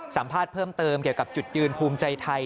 สัมภาษณ์เพิ่มเติมเกี่ยวกับจุดยืนภูมิใจไทย